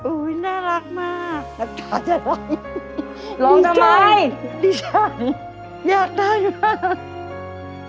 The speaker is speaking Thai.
อุ้ยน่ารักมากน้ำใจอะไรหลงทำไมดิฉันอยากได้มาก